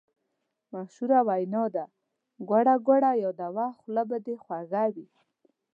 مشهوره وینا ده: ګوړه ګوړه یاده وه خوله به دې خوږه وي.